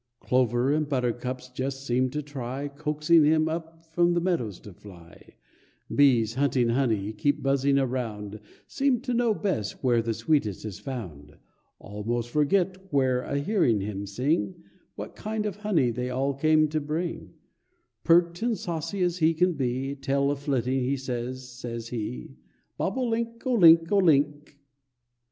Clover and buttercups just seem to try Coaxing him up in the meadow to fly; Bees hunting honey keep buzzing around, Seem to know best where the sweetest is found, Almost forget when a hearing him sing What kind of honey they all came to bring; Pert and saucy as he can be, Tail a flitting, he says, says he "Bob o link, o link, o link."